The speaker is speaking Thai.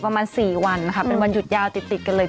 ปีปกติเราจะว่าใกล้เส้นปีแต่บอกว่าเร็วอ่ะ